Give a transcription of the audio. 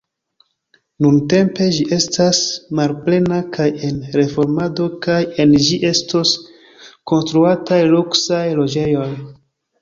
Nuntempe ĝi estas malplena kaj en reformado, kaj en ĝi estos konstruataj luksaj loĝejoj.